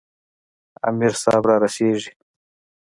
امیر صاحب را رسیږي.